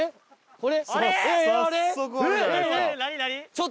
これ。